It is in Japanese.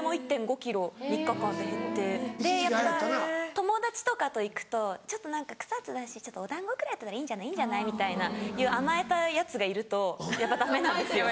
友達とかと行くと「ちょっと草津だしお団子くらいだったらいいんじゃない？」みたいな甘えたヤツがいるとやっぱダメなんですよ。